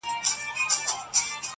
یوازي له منصور سره لیکلی وو ښاغلی!